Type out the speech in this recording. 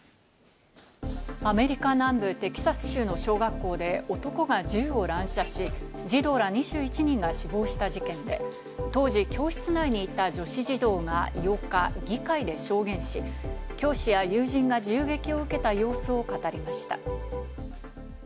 アメリカ南部テキサス州の小学校で、男が銃を乱射し、児童ら２１人が死亡した事件で、当時、教室内にいた女子児童が８日、議会で証言し、教師や友人が銃撃を受けた様子を語りました。